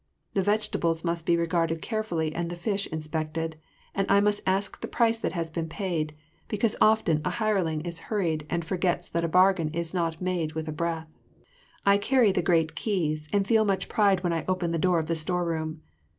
The vegetables must be regarded carefully and the fish inspected, and I must ask the price that has been paid, because often a hireling is hurried and forgets that a bargain is not made with a breath. I carry the great keys and feel much pride when I open the door of the storeroom.